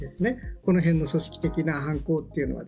このへんの組織的な犯行というのは。